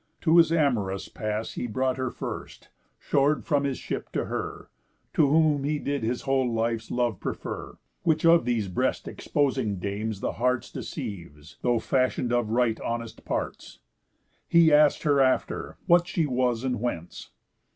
To his amorous pass He brought her first, shor'd from his ship to her; To whom he did his whole life's love prefer, Which of these breast exposing dames the hearts Deceives, though fashion'd of right honest parts. He ask'd her after, what she was, and whence?